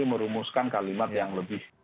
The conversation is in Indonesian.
merumuskan kalimat yang lebih